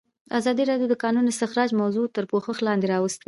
ازادي راډیو د د کانونو استخراج موضوع تر پوښښ لاندې راوستې.